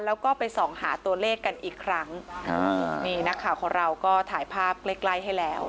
แล้วก็ไปส่องหาตัวเลขกันอีกครั้งอ่านี่นักข่าวของเราก็ถ่ายภาพใกล้ใกล้ให้แล้ว